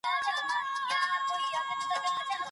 ملتونه ولي د انسان حقونو ته درناوی کوي؟